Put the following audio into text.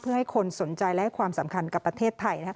เพื่อให้คนสนใจและให้ความสำคัญกับประเทศไทย